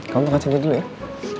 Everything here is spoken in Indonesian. kamu makan sini dulu ya